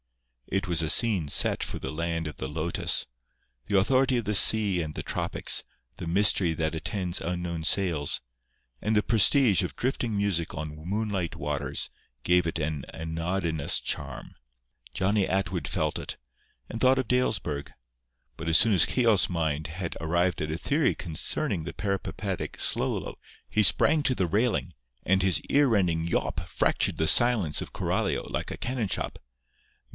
It was a scene set for the land of the lotus. The authority of the sea and the tropics, the mystery that attends unknown sails, and the prestige of drifting music on moonlit waters gave it an anodynous charm. Johnny Atwood felt it, and thought of Dalesburg; but as soon as Keogh's mind had arrived at a theory concerning the peripatetic solo he sprang to the railing, and his ear rending yawp fractured the silence of Coralio like a cannon shot.